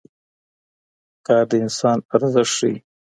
کار د انسان ارزښت ښيي.